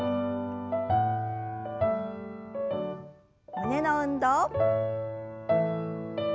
胸の運動。